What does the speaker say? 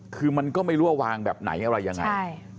คือมันก็ไม่รู้ว่าวางแบบไหนอะไรยังไง